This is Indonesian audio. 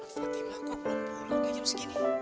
fatimah kok belum pulang kejam segini